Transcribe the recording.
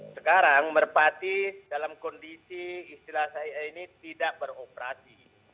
sekarang merpati dalam kondisi istilah saya ini tidak beroperasi